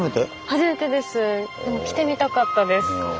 初めてです。来てみたかったです。